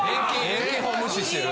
遠近法無視してる。